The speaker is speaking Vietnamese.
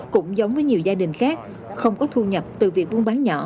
cũng giống với nhiều gia đình khác không có thu nhập từ việc buôn bán nhỏ